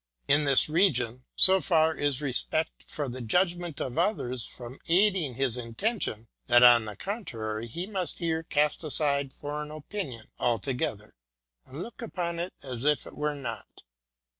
In this region, so far is respect for the judg ment of others from aiding his intention, that on the con trary he must here cast aside foreign opinion altogether, and look upon it as if it were not.